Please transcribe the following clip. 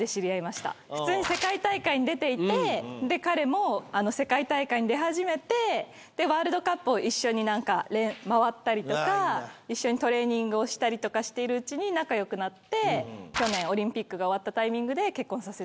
世界大会に出ていて彼も世界大会に出始めてワールドカップを一緒に何か回ったりとか一緒にトレーニングをしたりとかしているうちに仲良くなって去年オリンピックが終わったタイミングで結婚させてもらいました。